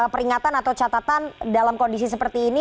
peringatan atau catatan dalam kondisi seperti ini